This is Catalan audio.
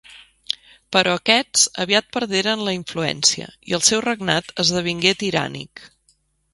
Però aquests aviat perderen la influència, i el seu regnat esdevingué tirànic.